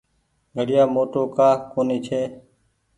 گهڙيآ موٽو ڪآ ڪونيٚ ڇي ۔